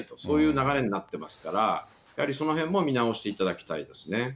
そういう流れになってますから、やはりそのへんも見直していただきたいですね。